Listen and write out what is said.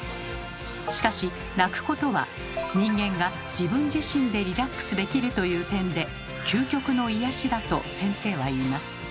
しかし泣くことは人間が自分自身でリラックスできるという点で究極の癒やしだと先生は言います。